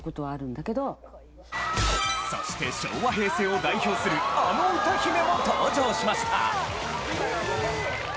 そして昭和・平成を代表するあの歌姫も登場しました！